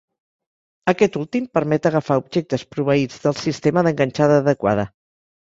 Aquest últim permet agafar objectes proveïts del sistema d'enganxada adequada.